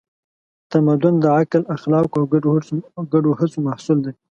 تمدن د عقل، اخلاقو او ګډو هڅو محصول دی.